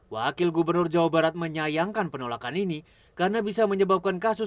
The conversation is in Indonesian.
wakil gubernur jawa barat menyayangkan penolakan ini karena bisa menyebabkan kasus